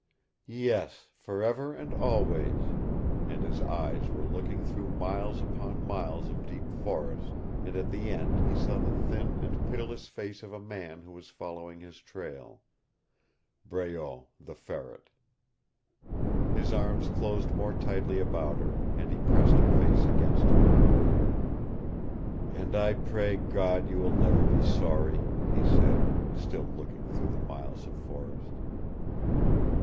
"Yes, forever and always" and his eyes were looking through miles upon miles of deep forest, and at the end he saw the thin and pitiless face of a man who was following his trail, Breault the Ferret. His arms closed more tightly about her, and he pressed her face against him. "And I pray God you will never be sorry," he said, still looking through the miles of forest.